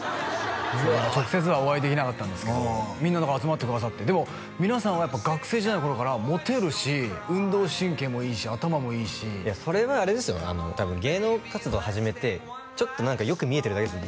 うわ直接はお会いできなかったんですけどみんな集まってくださってでも皆さんは学生時代の頃からモテるし運動神経もいいし頭もいいしいやそれはあれですよ多分芸能活動始めてちょっとよく見えてるだけです